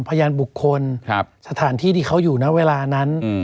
พยายามบุคคลครับสถานที่ที่เขาอยู่นะเวลานั้นอืม